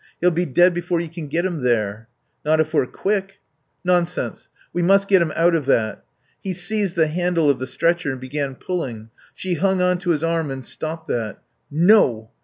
He'll be dead before you can get him there." "Not if we're quick." "Nonsense. We must get him out of that." He seized the handle of the stretcher and began pulling; she hung on to his arm and stopped that. "No.